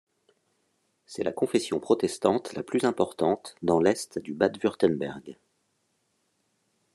C'est la confession protestante la plus importante dans l'est du Bade-Wurtemberg.